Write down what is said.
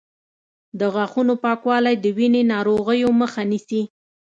د غاښونو پاکوالی د وینې ناروغیو مخه نیسي.